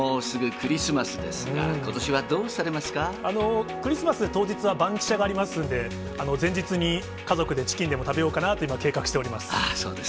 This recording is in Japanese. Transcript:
クリスマス当日は、バンキシャがありますんで、前日に家族でチキンでも食べようかなと今、計画しております。